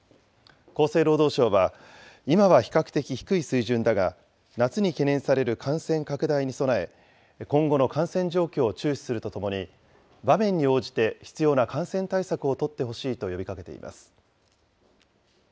厚生労働省は、今は比較的低い水準だが、夏に懸念される感染拡大に備え、今後の感染状況を注視するとともに、場面に応じて必要な感染対策を取ってほしいと呼びかけています。